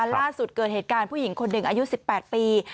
เกิดเหตุการณ์ผู้หญิงคนหนึ่งอายุ๑๘ปี